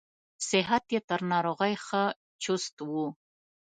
صحت یې تر ناروغۍ ښه چست و.